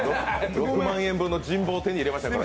６万円分の人望を手に入れましたから。